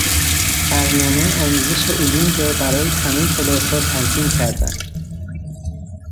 برنامهی آموزش علوم را برای همهی کلاسها تنظیم کردن